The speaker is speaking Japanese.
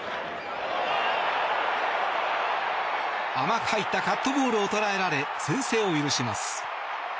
甘く入ったカットボールを捉えられ、先制を許します。